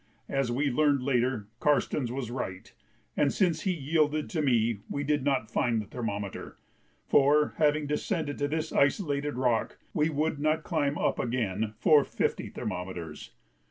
As we learned later, Karstens was right, and since he yielded to me we did not find the thermometer, for, having descended to this isolated rock, we would not climb up again for fifty thermometers.